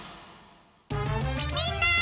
みんな！